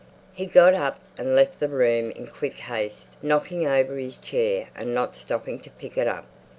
He got up and left the room in quick haste, knocking over his chair, and not stopping to pick it up.